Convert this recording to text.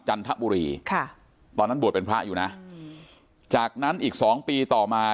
จันทบุรีค่ะตอนนั้นบวชเป็นพระอยู่นะจากนั้นอีกสองปีต่อมา